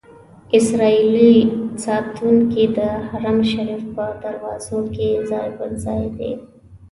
اسرائیلي ساتونکي د حرم شریف په دروازو کې ځای پر ځای دي.